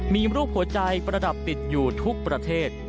มีรูปหัวใจประดับติดอยู่ทุกประเทศ